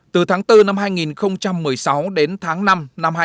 từ tháng bốn năm hai nghìn một mươi sáu đến tháng năm năm hai nghìn hai mươi bốn